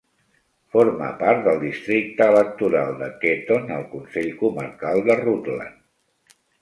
Forma part del districte electoral de Ketton al Consell Comarcal de Rutland.